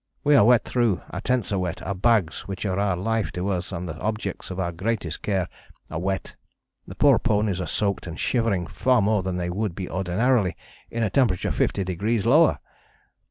We are wet through, our tents are wet, our bags which are our life to us and the objects of our greatest care, are wet; the poor ponies are soaked and shivering far more than they would be ordinarily in a temperature fifty degrees lower.